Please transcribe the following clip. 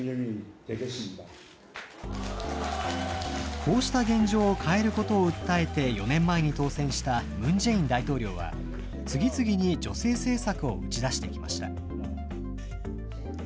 こうした現状を変えることを訴えて４年前に当選したムン・ジェイン大統領は、次々に女性政策を打ち出していました。